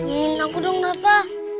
ingin aku dong rasa